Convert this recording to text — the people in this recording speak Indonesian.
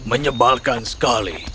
dia menyebalkan sekali